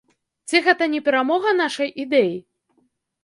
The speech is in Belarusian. Ці гэта не перамога нашай ідэі?